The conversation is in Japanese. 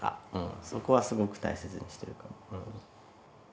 そこはすごく大切にしてるかも。